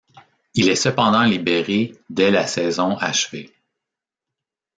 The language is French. Il est cependant libéré dès la saison achevée.